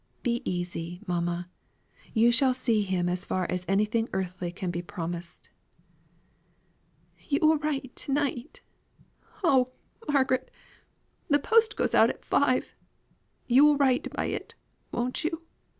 Be easy, mamma, you shall see him as far as anything earthly can be promised." "You will write to night? Oh, Margaret! the post goes out at five you will write by it, won't you?